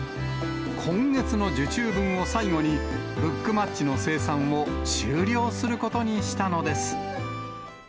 今月の受注分を最後に、ブックマッチの生産を終了することにしたのです。